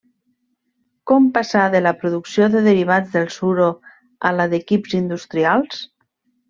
Com passar de la producció de derivats del suro a la d'equips industrials?